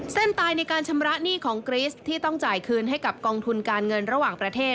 ตายในการชำระหนี้ของกริสที่ต้องจ่ายคืนให้กับกองทุนการเงินระหว่างประเทศ